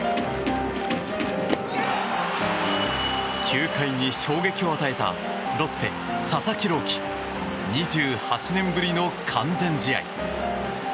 球界に衝撃を与えたロッテ、佐々木朗希２８年ぶりの完全試合。